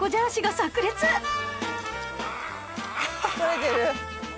撮れてる？